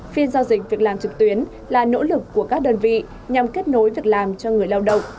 phiên giao dịch việc làm trực tuyến là nỗ lực của các đơn vị nhằm kết nối việc làm cho người lao động